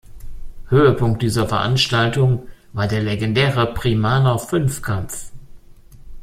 Höhepunkt dieser Veranstaltung war der legendäre "Primaner-Fünfkampf".